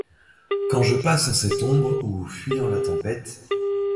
Quand je passe en cette ombre, où, fuyant la tempête